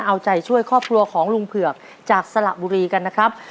เอาใจช่วยครอบครัวของลุงเผือกจากสระบุรีกันนะครับ